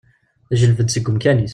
Teǧǧelleb-d seg umkan-is.